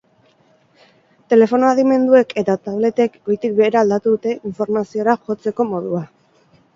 Telefono adimendunek eta tabletek goitik behera aldatu dute informaziora jotzeko modua.